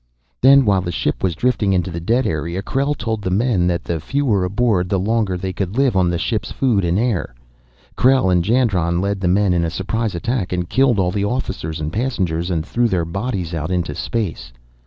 "Then, while the ship was drifting into the dead area, Krell told the men that the fewer aboard, the longer they could live on the ship's food and air. Krell and Jandron led the men in a surprise attack and killed all the officers and passengers, and threw their bodies out into space.